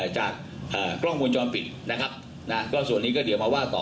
จากกล้องวงจรปิดนะครับนะก็ส่วนนี้ก็เดี๋ยวมาว่าต่อ